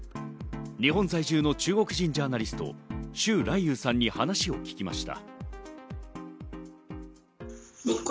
日本在住の中国人ジャーナリスト、シュウ・ライユウさんに話を聞きました。